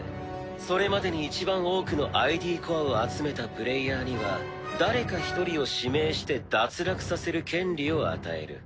それまでに一番多くのＩＤコアを集めたプレイヤーには誰か１人を指名して脱落させる権利を与える。